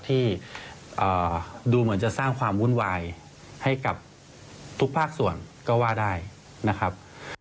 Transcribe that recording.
ที่ดูเหมือนจะสร้างความวุ่นวายให้กับทุกภาคส่วนก็ว่าได้นะครับ